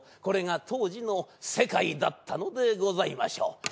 これが当時の世界だったのでございましょう。